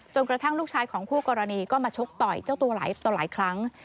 กระทั่งลูกชายของคู่กรณีก็มาชกต่อยเจ้าตัวหลายต่อหลายครั้ง